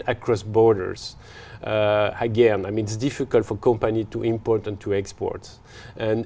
các doanh nghiệp có thể không phát triển